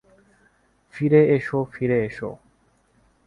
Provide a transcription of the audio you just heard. ফিরে এস, ফিরে এস।